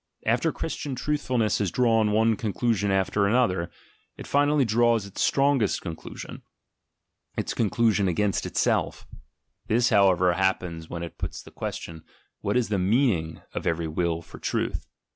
After Christian truthfulness has drawn one conclusion after the other, it finally draws its strongest conclusion, its conclusion against itself; this, however, happens, when it puts the question, "what is the meaning of every will for truth?"